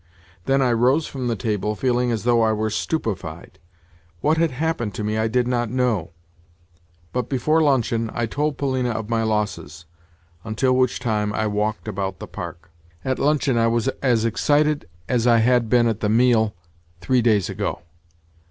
Then I rose from the table, feeling as though I were stupefied. What had happened to me I did not know; but, before luncheon I told Polina of my losses—until which time I walked about the Park. At luncheon I was as excited as I had been at the meal three days ago.